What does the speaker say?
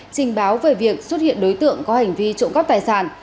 trình báo về việc xuất hiện đối tượng có hành vi trộm cắp tài sản